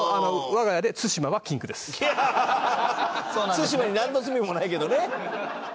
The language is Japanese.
対馬になんの罪もないけどね。